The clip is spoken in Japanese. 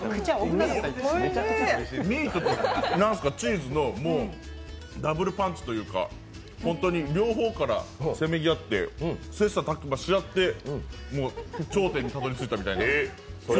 ミートとチーズのダブルパンチというか、両方からせめぎ合って、切磋琢磨し合って頂点にたどり着いたみたいな。